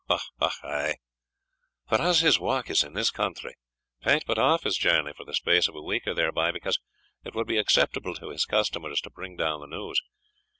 "Ou, ay; for as his walk is in this country, Pate put aff his journey for the space of a week or thereby, because it wad be acceptable to his customers to bring down the news.